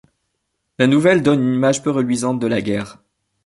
La nouvelle donne une image peu reluisante de la guerre.